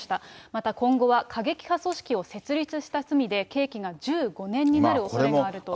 また、今後は過激派組織を設立した罪で、刑期が１５年になるおそれがあると。